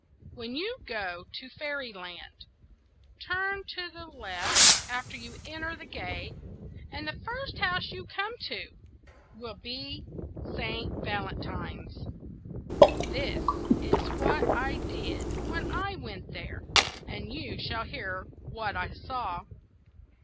When you go to fairy land, turn to the left after you enter the gate, and the first house you come to will be Saint Valentine's. This is what I did when I went there, and you shall hear what I saw.